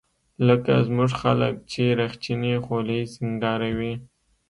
لکه زموږ خلق چې رخچينې خولۍ سينګاروي.